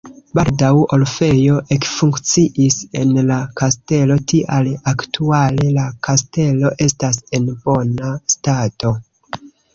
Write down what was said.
Baldaŭ orfejo ekfunkciis en la kastelo, tial aktuale la kastelo estas en bona stato.